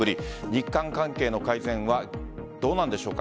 日韓関係の改善はどうなんでしょうか